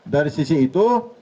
dari sisi itu